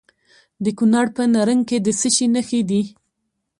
د کونړ په نرنګ کې د څه شي نښې دي؟